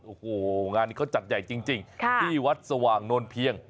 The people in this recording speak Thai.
โอ้โหงานนี้เขาจัดใหญ่จริงที่วัดสว่างโนนเพียง